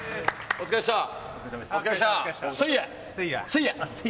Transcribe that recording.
お疲れっした。